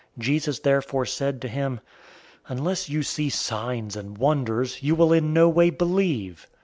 004:048 Jesus therefore said to him, "Unless you see signs and wonders, you will in no way believe."